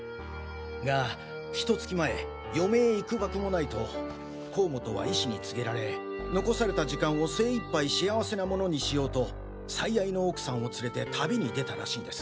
がひと月前余命幾許もないと甲本は医師に告げられ残された時間を精一杯幸せなものにしようと最愛の奥さんを連れて旅に出たらしいんです。